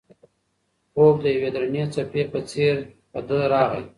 خوب د یوې درنې څپې په څېر په ده راغی.